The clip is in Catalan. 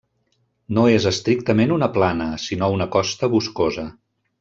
No és estrictament una plana, sinó una costa boscosa.